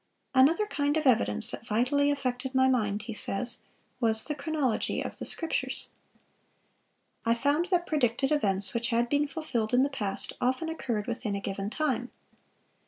"Another kind of evidence that vitally affected my mind," he says, "was the chronology of the Scriptures.... I found that predicted events, which had been fulfilled in the past, often occurred within a given time.